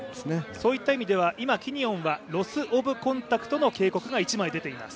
そういった意味では、今、キニオン選手がロス・オブ・コンタクトの警告が１枚出ています。